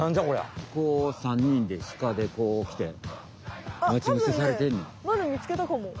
こう３にんでシカでこうきて待ち伏せされてんねや。